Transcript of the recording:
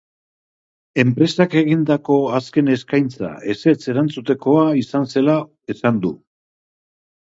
Enpresak egindako azken eskaintza ezetz erantzutekoa izan zela esan du.